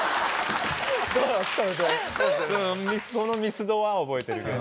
そのミスドは覚えてるけど。